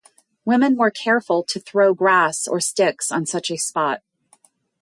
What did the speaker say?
Women were careful to throw grass or sticks on such a spot.